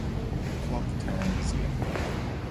Clock Tower Museum